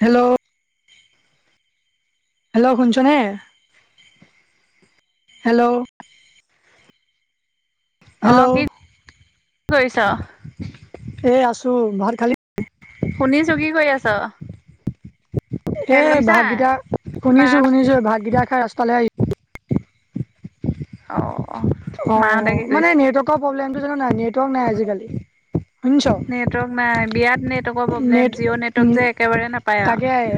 Hello hello শুনিছনে? Hello? Hello অ', কি কৰিছ? এ আছো, ভাত খালি? শুনিছো কি কৰি আছ? এ খেল লৈছা ভাতকেইটা না শুনিছো শুনিছো ভাতকেইটা খাই ৰাস্তালৈ আহি অ'। অ', মাহঁতে কি মানে কৰিছে নেটৱৰ্কৰ প্ৰব্লেমটো জানো নাই নেটৱৰ্ক নাই আজিকালি। শুনিছ? নেটৱৰ্ক নাই, বিয়াত নেটৱৰ্কৰ নেট প্ৰব্লেম, জিঅ' উম নেটৱৰ্ক যে একেবাৰে নাপায় আও।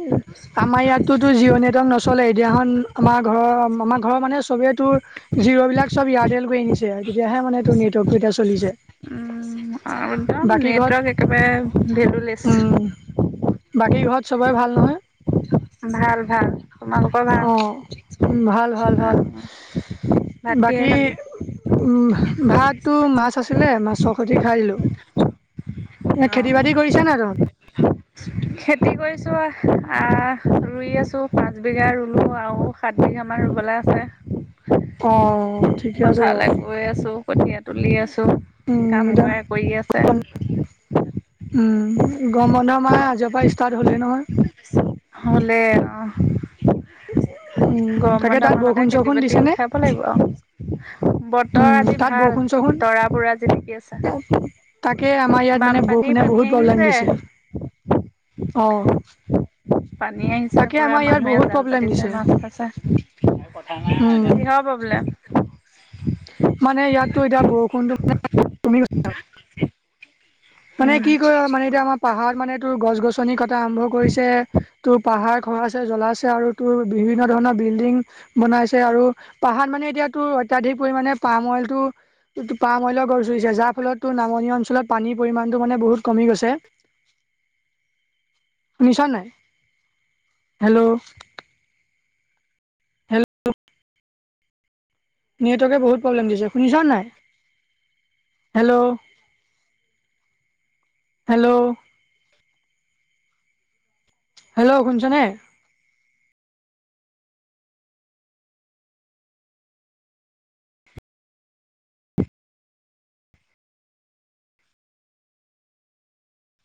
উম'। আমাৰ ইয়াততো জিঅৰ নেটৱৰ্ক নচলেই, এদিনাখন আমাৰ ঘৰৰ আমাৰ ঘৰৰ মানে চবেই তোৰ জিঅ' বিলাক চব এয়াৰটেল কৰি আনিছে, তেতিয়াহে মানে তোৰ নেটৱৰ্কটো এতিয়া চলিছে। উম একদম বাকী ঘৰত নেটৱৰ্ক একেবাৰে ভেলুলেছ। উম বাকী ঘৰত চবৰে ভাল নহয়? ভাল ভাল, তোমাৰলোক? অ উম ভাল ভাল ভাল ভাল কিহে খালি? বাকী উম' ভাতটো মাছ আছিলে মাছৰ সৈতে খাই দিলো। এ খেতি বাতি কৰিছা অ'। [inaudible] খেতি কৰিছো, আহ ৰুই আছো পাঁচ বিঘা ৰুলো আৰু। সাত বিঘা মান ৰুবলে আছে। অ'। ঠিকে আছে বাৰু, পথাৰলে গৈ আছো, কঠীয়া তুলি আছো, উম, কাম এতিয়া কৰাই কৰি আছে। [unintelligible] উম' গৰম বন্ধ আমাৰ আজিৰে পৰা ষ্টাৰ্ট হলেই নহয়। হলেই অ'। [unintelligible] গৰম তাকে বন্ধ তাত মাহতে বৰষুণ খেতি চৰষুণ বাতি দিছেনে? উঠাব লাগিব আও, বতৰ উম, আজি তাত ভাল। বৰষুণ তাকে তৰা পুৰা জিলিকি আছে আমাৰ ইয়াত মানে বানপানী বৰষুণে পানী বহুত প্ৰব্লেম আহিছে দিছে। অ'। পানী আহিছে তাকে পুৰা, আমাৰ ইয়াত মানুহে বহুত জাল প্ৰব্লেম পাতিছে দিছে। মাছ পাইছে। উম, কিহৰ প্ৰব্লেম? মানে ইয়াতটো এতিয়া বৰষুণতো মানে [unintelligible] মানে উম কি কয়, মানে এতিয়া আমাৰ পাহাৰত মানে তোৰ গছ-গছনি কটা আৰম্ভ কৰিছে। তোৰ পাহাৰ খহাইছে, জ্বলাইছে আৰু তোৰ বিভিন্ন ধৰণৰ বিল্ডিং। বনাইছে আৰু, পাহাৰ মানে এতিয়াতো অত্যাধিক পৰিমানে পাম অইলটো পাম অয়লৰ গছ ৰুইছে, যাৰ ফলত তোৰ নামনি অঞ্চলত পানী পৰিমাণটো মানে বহুত কমি গৈছে। শুনিছ নাই, হেল্ল'? [unintelligible] নেটৱৰ্কে বহুত প্ৰব্লেম দিছে, শুনিছ নাই, হেল্ল'? হেল্ল'? হেল্ল' শুনিছনে?